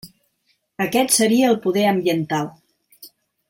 Aquest seria el poder ambiental.